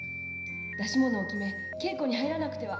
演目を決め稽古に入らなくては。